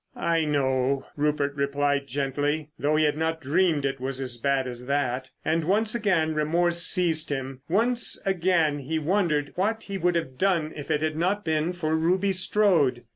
"I know," Rupert replied gently, though he had not dreamed it was as bad as that. And once again remorse seized him. Once again he wondered what he would have done if it had not been for Ruby Strode.